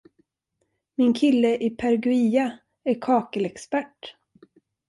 Min kille i Perugia är kakelexpert.